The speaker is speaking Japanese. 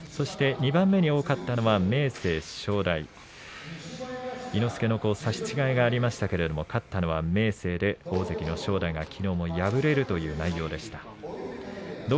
２番目に多かったのは明生、正代伊之助の差し違えがありましたが勝ったのは明生で大関の正代がきのうも敗れるという内容でした。